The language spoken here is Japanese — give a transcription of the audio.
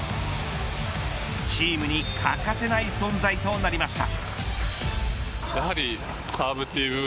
チームに欠かせない存在となりました。